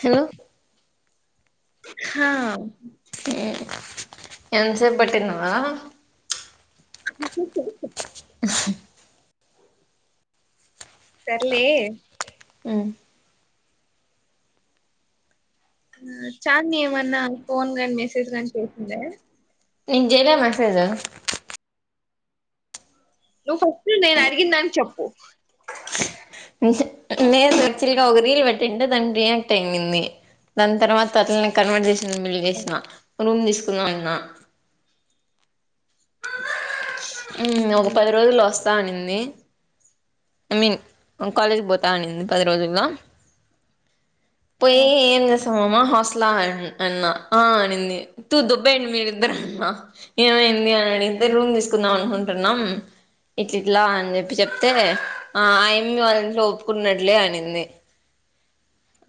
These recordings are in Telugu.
హలో హా ఎంతసేపు పట్టినావా హ్ సర్లే ఆ చాంద్ ఏమన్నా ఫోన్ గాని మెసేజ్ కాని చేసిందా నేను చేయలే మెసేజ్ నువ్వు ఫస్ట్ నేను అడిగిందానికి చెప్పు నేను యాక్చువల్ గా ఒక రీల్ పెట్టింటే దానికి రియాక్ట్ అయ్యిందిండి దాని తర్వాత తర్వాత కన్వర్జేషన్ బిల్ ఆ, చేసిన రూమ్ తీసుకుందామన్నా ఒక పది రోజుల్లు లో వస్త పోతా అనింది ఐ మీన్ కాలేజ్కి పోతా అనింది పది రోజుల్లో ఆ, పోయి ఏ తమమ్మ హాస్టల్ ఆ అన్నా అనింది తూ దొబ్బెయ్ అండి మీరిద్దరు అన్నా ఏమైంది అని అడిగితే ఆ. రూమ్ తీసుకుందాం అనుకుంటున్నాం ఇట్ ఇట్లా అని చెప్పి చె పితే ఆ ఆయమి వాళ్ళ ఇంట్లో ఒప్పుకున్నట్లే అనింది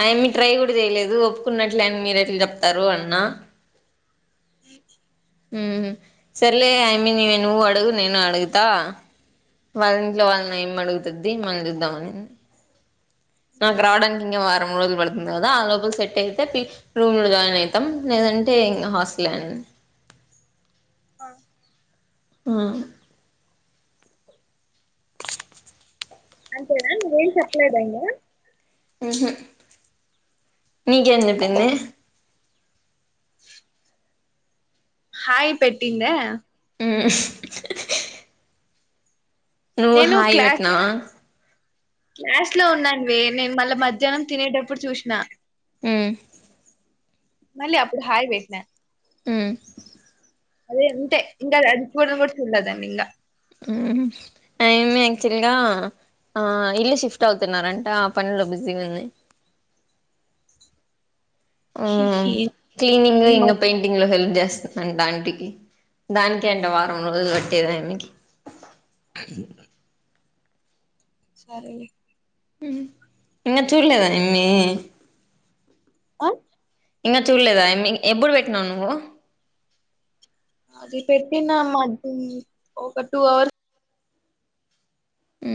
అ యమీ ట్రై కూడా చేయలేదు ఒప్పుకున్నట్లే అని మీరు ఎట్లా చెప్తారు అన్నా అ హ సరేలే ఆయమ్మి ని నువ్ అడుగు నేను అడుగుతా వాళ్ళ ఇంట్లో వాళ్ళని ఏం అడుగుతుద్ది మన చూద్దాం అని నాకు రావడానికి ఇంకా వారం రోజులు పడుతుంది కదా ఆ లోపల సెట్ అయితే రూమ్ లో జాయిన్ అవుతాం లేదంటే ఇంకా హాస్టల్ అని ఆ ఆ అంతేనా నువ్వేం చెప్లాలేదా ఇంగ ఉహు నీకేం చెప్పింది హాయి పెట్టిందా ఉ నువ్వు నేను హాయి క్లాస్ వెట్నవా క్లాస్ లో ఉన్నానువి నేను మళ్ళా మధ్యాహ్నం తినేటప్పుడు చూసిన ఆ మళ్ళీ అప్పుడు హయ్ పెట్న ఆ అదే అంతే ఇంకా అది చూడను కూడా చూలే దాన్ని ఇంకా ఆ అమీ యాక్చువల్ గా ఆ ఇల్లు షిఫ్ట్ అవుతున్నారంట ఆ పనిలో బిజీగా ఉంది ఆ క్లీనింగ్ ఇంగ పెయి టింగ్ లో హెల్ప్ చేస్తున్నాదా ఆంటీ కి దానికి అంటే వారం రోజులు పట్టేది ఆ యామికి ఈ సరేలే ఇంకా చూడలేదా ఇమ్మి ఆ ఇంకా చూడలేదా ఆ అమ్మి ఎప్పుడు పెట్టినావు నువ్వు అది పెట్టిన [unintelligible] ఒక టూ అవర్ హు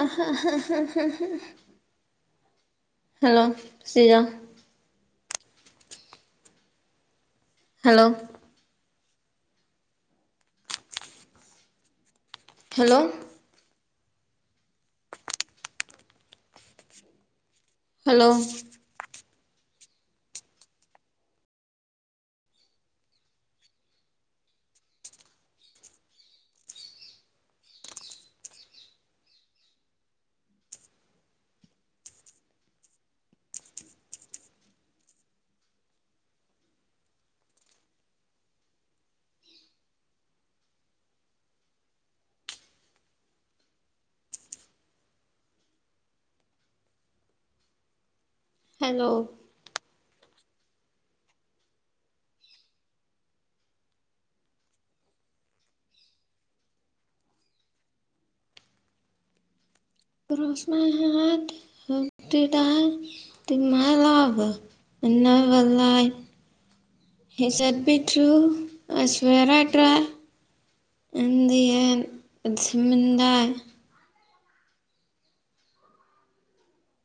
ఆాాా hello [unintelligible] hello hello hello hello [unintelligible] hot [unintelligible] [unintelligible] [unintelligible] in the end [unintelligible]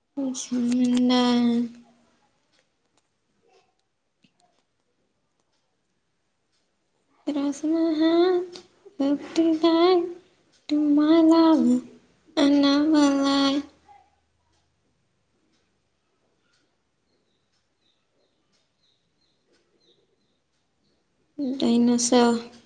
[unintelligible] cross my heart how to die [unintelligible] [unintelligible]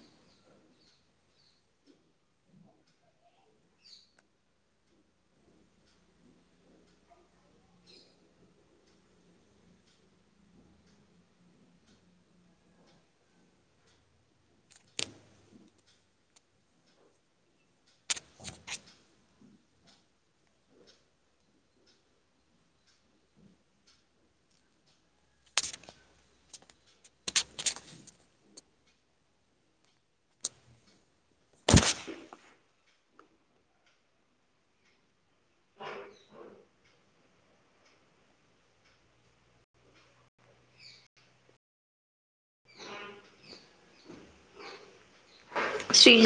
Shri [unintelligible]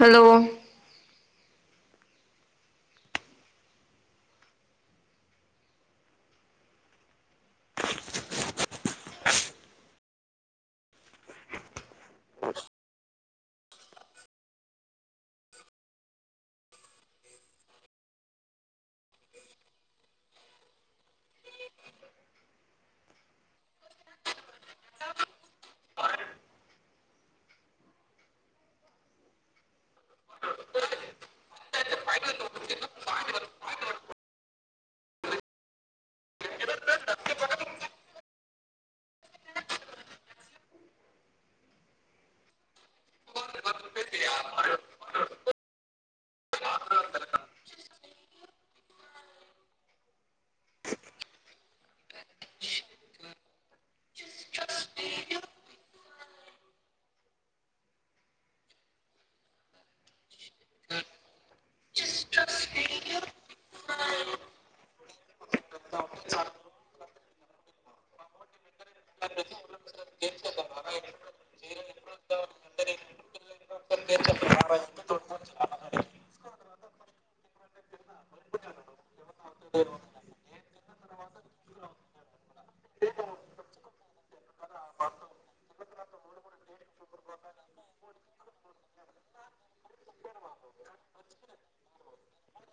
hello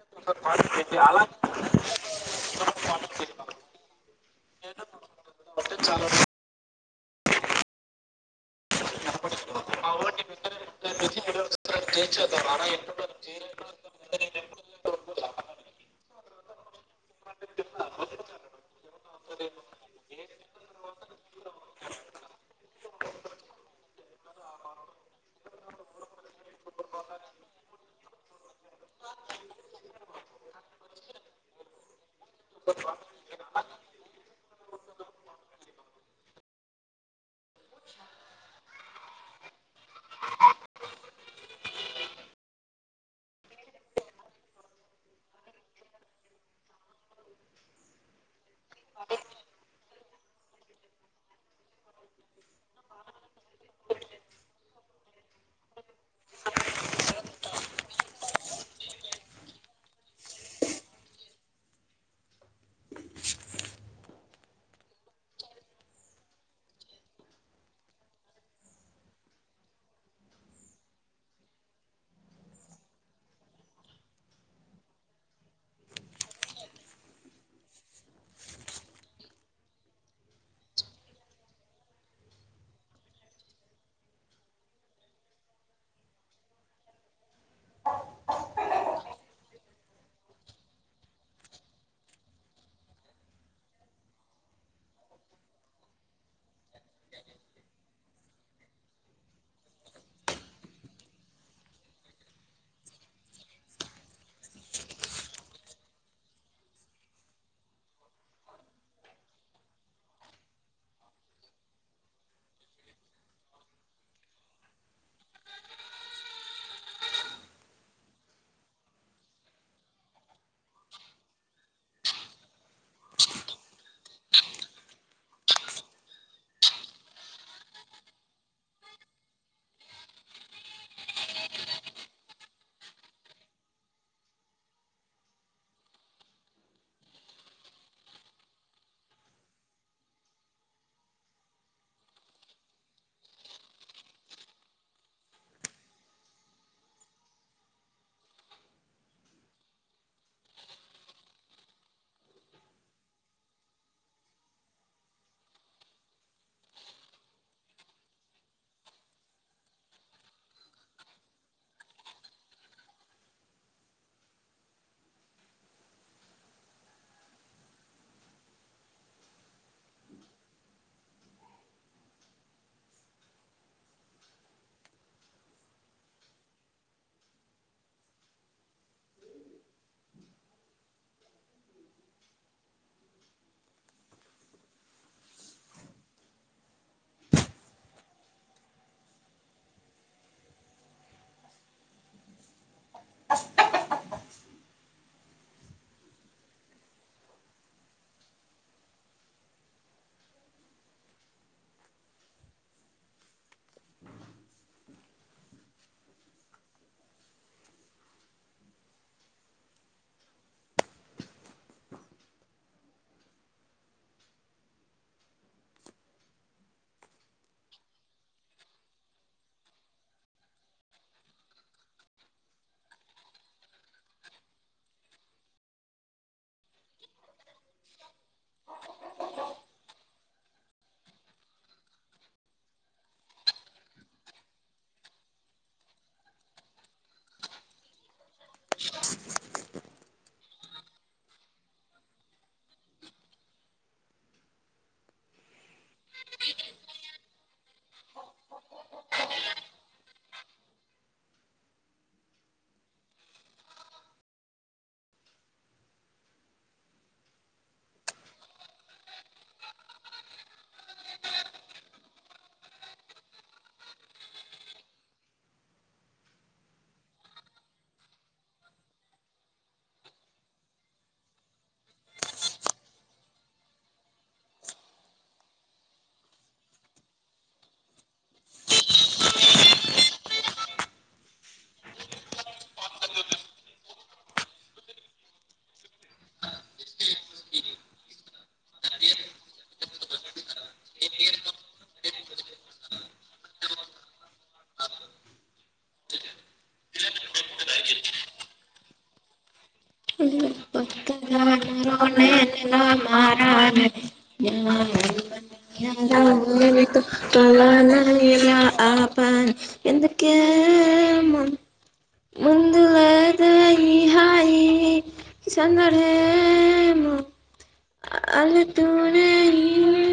[unintelligible] [unintelligible] అస్ అ [unintelligible] మారాజ [unintelligible] [unintelligible] ఎందుకే ముం- ముందు లేదా ఈ హాయి సందడేమో అలతూనే ఈ